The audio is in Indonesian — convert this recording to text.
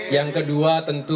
yang kedua tentu